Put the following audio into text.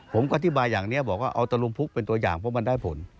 ผมก็อธิบายอย่างนี้บอกว่าเอาตะลุมพุกเป็นตัวอย่างเพราะมันได้ผล